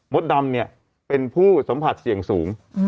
ดำเนี่ยเป็นผู้สัมผัสเสี่ยงสูง